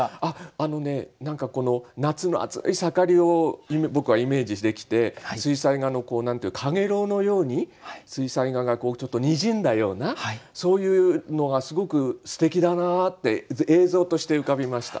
あのね何かこの夏の暑い盛りを僕はイメージできて水彩画のかげろうのように水彩画がちょっとにじんだようなそういうのがすごくすてきだなって映像として浮かびました。